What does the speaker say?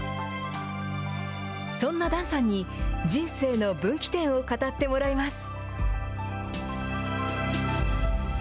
そんな檀さんに、人生の分岐点を語ってもらいます。